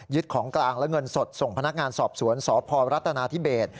ของกลางและเงินสดส่งพนักงานสอบสวนสพรัฐนาธิเบส